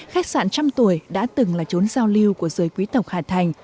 khách sạn trăm tuổi đã từng là chốn giao lưu của giới quý tộc hà thành